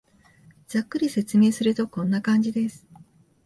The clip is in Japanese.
ざっくりと説明すると、こんな感じです